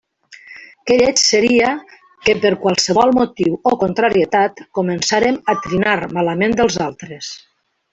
Que lleig seria que, per qualsevol motiu o contrarietat, començàrem a trinar malament dels altres!